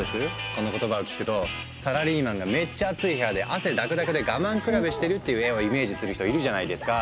この言葉を聞くとサラリーマンがめっちゃアツい部屋で汗だくだくで我慢比べしてるっていう絵をイメージする人いるじゃないですか。